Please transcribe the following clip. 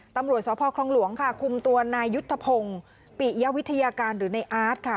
ตำรวจสพคลองหลวงค่ะคุมตัวนายยุทธพงศ์ปิยวิทยาการหรือในอาร์ตค่ะ